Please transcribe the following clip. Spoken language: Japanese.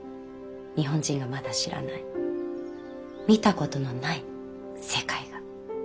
日本人がまだ知らない見たことのない世界が。